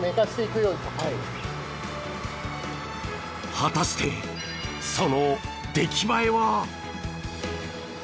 果たしてその出来栄えは？